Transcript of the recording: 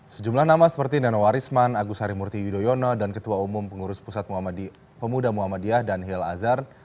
sejumlah nama seperti nenowarisman agus harimurti yudhoyono dan ketua umum pengurus pusat pemuda muhammadiyah dan hil azhar